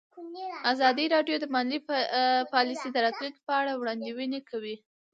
ازادي راډیو د مالي پالیسي د راتلونکې په اړه وړاندوینې کړې.